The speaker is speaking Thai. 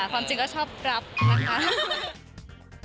ความจริงก็ชอบรับนะคะ